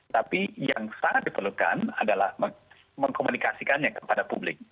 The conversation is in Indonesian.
tapi yang sangat diperlukan adalah mengkomunikasikannya kepada publik